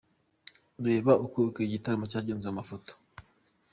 Reba uko iki gitaramo cyagenze mu mafoto:.